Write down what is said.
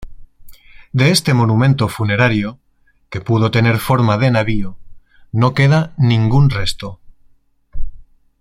De este monumento funerario, que pudo tener forma de navío, no queda ningún resto.